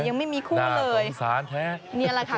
ยังไม่มีคู่เลยสารแท้นี่แหละค่ะ